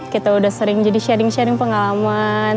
kita udah sering jadi sharing sharing pengalaman